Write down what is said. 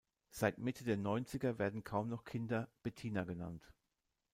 Seit Mitte der Neunziger werden kaum noch Kinder Bettina genannt.